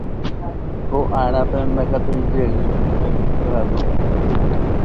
Ko árape ndaikatumo'ãijey.